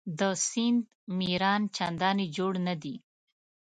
د سیند میران چنداني جوړ نه دي.